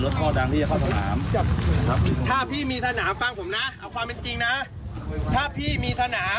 ท่อดังสถิตย์พระทะเบียน